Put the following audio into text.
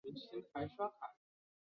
这些国家有时统称英语圈。